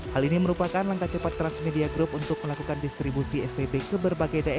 hal ini merupakan langkah cepat transmedia grup untuk melakukan distribusi stb gratis